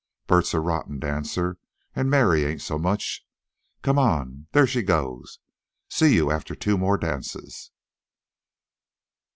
Bert's a rotten dancer, and Mary ain't so much. Come on, there she goes. See you after two more dances."